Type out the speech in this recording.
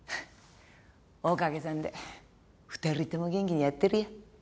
おかげさんで２人とも元気にやってるよ。